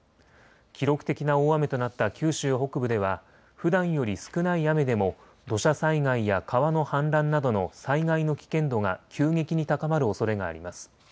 記録的な大雨となった九州北部ではふだんより少ない雨でも土砂災害や川の氾濫などの災害の危険度が急激に高まるおそれがあります。